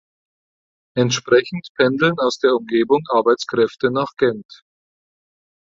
Entsprechend pendeln aus der Umgebung Arbeitskräfte nach Ghent.